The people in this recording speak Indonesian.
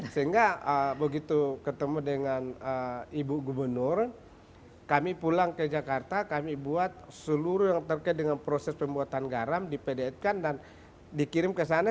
sehingga begitu ketemu dengan ibu gubernur kami pulang ke jakarta kami buat seluruh yang terkait dengan proses pembuatan garam di pdsk dan dikirim ke sana